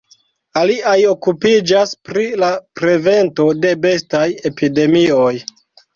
Aliaj okupiĝas pri la prevento de bestaj epidemioj.